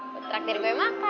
betrak dari gue makan